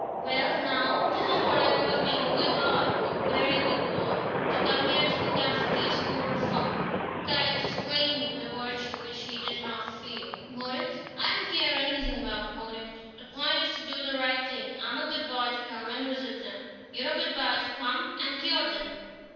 "Well, now, this is what I call being a good boy a very good boy to come here to look after these poor folk." Caius disclaimed the virtue which he did not feel. "Motives! I don't care anything about motives. The point is to do the right thing. I'm a good boy to come and visit them; you're a good boy to come and cure them.